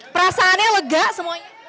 perasaannya lega semuanya